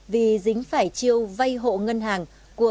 vì dính phải chiêu vay hộ ngân hàng